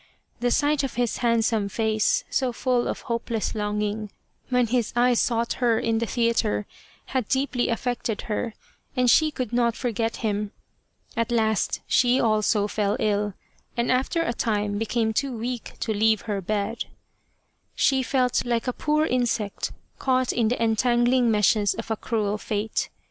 The sight of his handsome face, so full of hopeless longing, when his eyes sought her in the theatre, had deeply affected her, and she could not forget him. At last she also fell ill, and after a time became too weak to leave her bed. She felt like a poor insect caught in the entangling meshes of a cruel Fate.